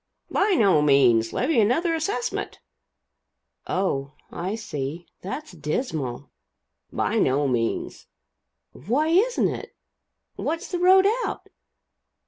"By no means. Levy another assessment" "Oh, I see. That's dismal." "By no means." "Why isn't it? What's the road out?"